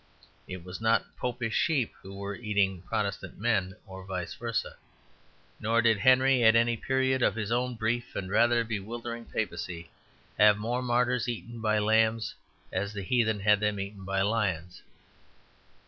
It was not Popish sheep who were eating Protestant men, or vice versa; nor did Henry, at any period of his own brief and rather bewildering papacy, have martyrs eaten by lambs as the heathen had them eaten by lions.